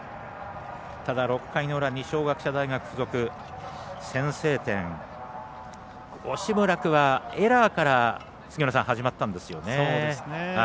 ただ、６回の裏二松学舎大付属先制点、惜しむらくはエラーから始まったんですよね。